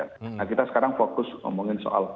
nah kita sekarang fokus ngomongin soal